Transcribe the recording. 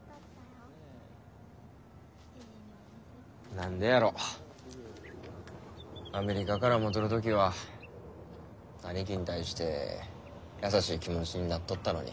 何でやろアメリカから戻る時は兄貴に対して優しい気持ちになっとったのに。